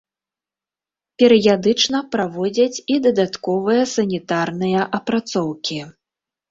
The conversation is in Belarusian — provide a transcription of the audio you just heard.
Перыядычна праводзяць і дадатковыя санітарныя апрацоўкі.